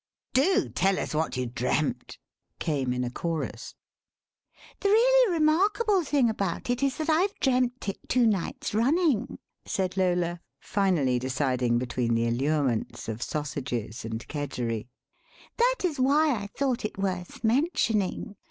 "Do tell us what you dreamt," came in a chorus. "The really remarkable thing about it is that I've dreamt it two nights running," said Lola, finally deciding between the allurements of sausages and kedgeree; "that is why I thought it worth mentioning.